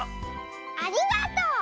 ありがとう！